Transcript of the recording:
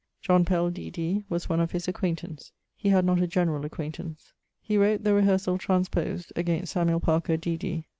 John Pell, D.D., was one of his acquaintance. He had not a generall acquaintance. He wrote The Rehersall transprosed, against Samuel Parker, D.D.